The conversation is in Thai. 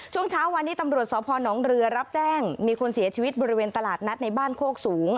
ช่วงเช้าวันนี้ตำรวจสพนเรือรับแจ้งมีคนเสียชีวิตบริเวณตลาดนัดในบ้านโคกสูง